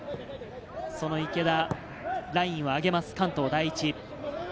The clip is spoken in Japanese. その池田、ラインを上げます、関東第一。